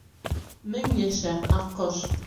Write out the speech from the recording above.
— Мең йәшә, аҡҡош!